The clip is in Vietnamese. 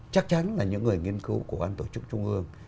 chắc chắn là những người nghiên cứu của ban tổ chức trung ương